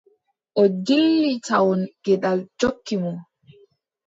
O dilli tawon geɗal jokki mo.